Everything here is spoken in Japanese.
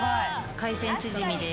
海鮮チヂミです。